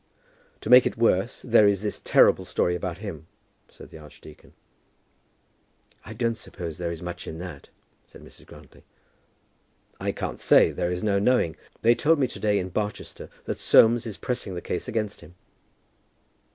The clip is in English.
"To make it worse, there is this terrible story about him," said the archdeacon. "I don't suppose there is much in that," said Mrs. Grantly. "I can't say. There is no knowing. They told me to day in Barchester that Soames is pressing the case against him."